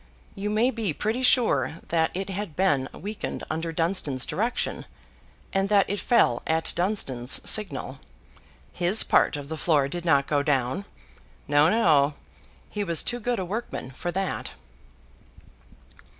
You may be pretty sure that it had been weakened under Dunstan's direction, and that it fell at Dunstan's signal. His part of the floor did not go down. No, no. He was too good a workman for that.